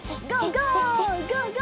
ゴーゴー！